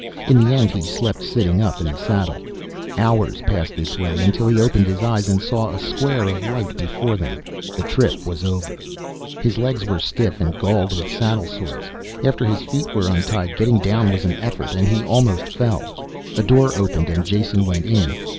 In the end he slept sitting up in the saddle. Hours passed this way, until he opened his eyes and saw a square of light before them. The trip was over. His legs were stiff and galled with saddle sores. After his feet were untied getting down was an effort, and he almost fell. A door opened and Jason went in.